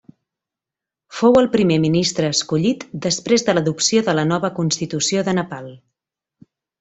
Fou el primer ministre escollit després de l'adopció de la nova constitució de Nepal.